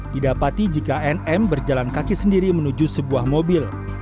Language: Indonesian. didapati jika nm berjalan kaki sendiri menuju sebuah mobil